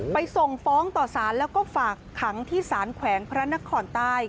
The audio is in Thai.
ส่งฟ้องต่อสารแล้วก็ฝากขังที่สารแขวงพระนครใต้